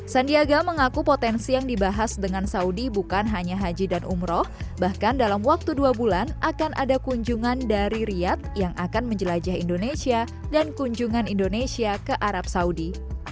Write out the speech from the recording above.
sandiaga mengaku potensi yang dibahas dengan saudi bukan hanya haji dan umroh bahkan dalam waktu dua bulan akan ada kunjungan dari riyad yang akan menjelajah indonesia dan kunjungan indonesia ke arab saudi